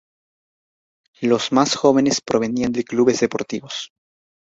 Los más jóvenes provenían de clubes deportivos.